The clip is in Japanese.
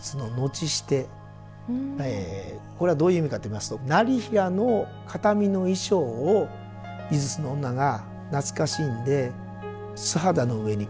シテこれはどういう意味かといいますと業平の形見の衣装を井筒の女が懐かしんで素肌の上に結局羽織るという。